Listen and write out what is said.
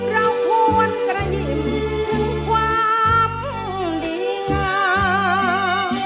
เราควรกระดิ่มถึงความดีงาม